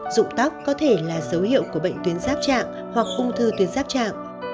dụng tóc có thể là dấu hiệu của bệnh tuyến giáp trạng hoặc ung thư tuyến giáp trạng